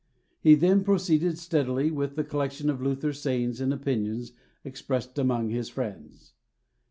He then proceeded steadily with the collection of Luther's sayings and opinions expressed among his friends.